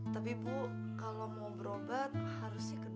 tapi bu kalau mau berobat harusnya ke dokter ya bu